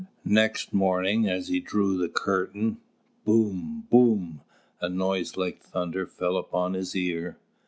Next morning as he drew the curtain, boom, boom, a noise like thunder fell upon his ear.